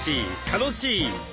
楽しい！